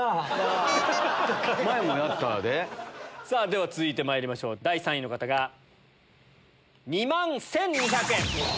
では続いてまいりましょう第３位の方が２万１２００円。